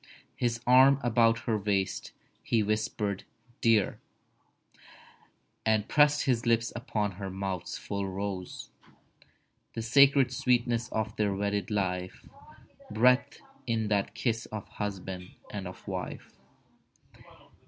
His arm about her waist, he whispered "Dear," And pressed his lips upon her mouth's full rose— The sacred sweetness of their wedded life Breathed in that kiss of husband and of wife.